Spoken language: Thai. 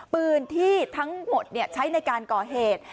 ปืนที่ทั้งหมดใช้ในการก่อเหตุ